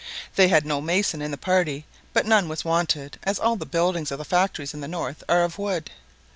They had no mason in the party; but none was wanted, as all the buildings of the factories in the north are of wood.